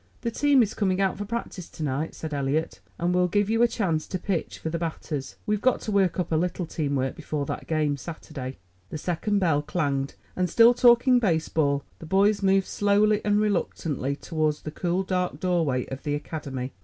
"The team is coming out for practice tonight," said Eliot, "and we'll give you a chance to pitch for the batters. We've got to work up a little teamwork before that game Saturday." The second bell clanged, and, still talking baseball, the boys moved slowly and reluctantly toward the cool, dark doorway of the academy.